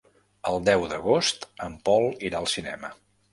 El deu d'agost en Pol irà al cinema.